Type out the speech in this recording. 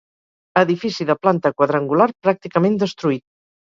Edifici de planta quadrangular pràcticament destruït.